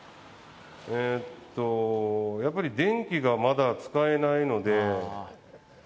やっぱり電気がまだ使えないので。